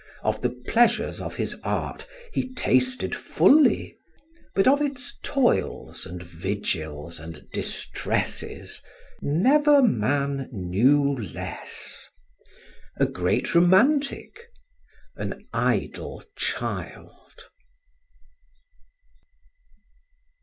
Of the pleasures of his art he tasted fully; but of its toils and vigils and distresses never man knew less. A great romantic an idle child.